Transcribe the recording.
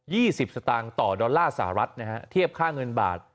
สิบสตางค์ต่อดอลลาร์สหรัฐนะฮะเทียบค่าเงินบาท